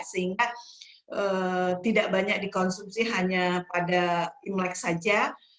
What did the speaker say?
sehingga tidak banyak dikonsumsi hanya pada imlek saja